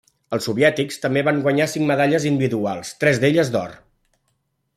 Els soviètics també van guanyar cinc medalles individuals, tres d'elles d'or.